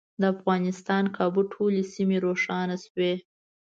د افغانستان کابو ټولې سیمې روښانه شوې.